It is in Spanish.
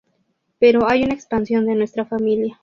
Pero hay una expansión de nuestra familia.